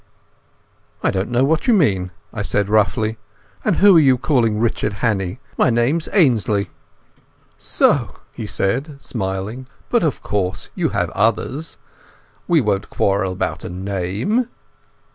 "I don't know what you mean," I said roughly. "And who are you calling Richard Hannay? My name's Ainslie." "So?" he said, still smiling. "But of course you have others. We won't quarrel about a name."